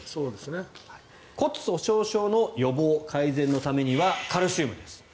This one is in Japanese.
骨粗しょう症の予防・改善のためにはカルシウムです。